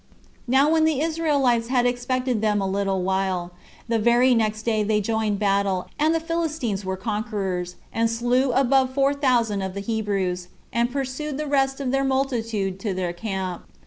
Now when the Israelites had expected them a little while, the very next day they joined battle, and the Philistines were conquerors, and slew above four thousand of the Hebrews, and pursued the rest of their multitude to their camp.